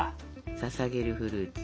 ささげるフルーツ。